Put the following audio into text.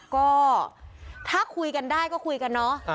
ก็ถ้าคุยกันได้ก็คุยกันเนาะ